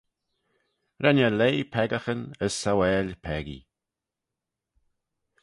Ren eh leih peccaghyn as sauail peccee.